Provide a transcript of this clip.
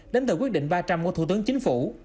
đến từ quyết định ba trăm linh của thủ tướng chính phủ